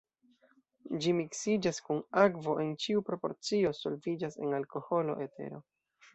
Ĝi miksiĝas kun akvo en ĉiu proporcio, solviĝas en alkoholo, etero.